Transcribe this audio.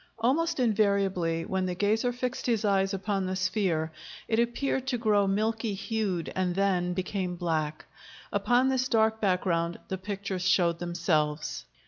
Almost invariably, when the gazer fixed his eyes upon the sphere, it appeared to grow milky hued and then became black; upon this dark background the pictures showed themselves.